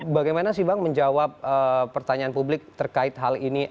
bagaimana sih bang menjawab pertanyaan publik terkait hal ini